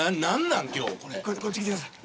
こっち来てください。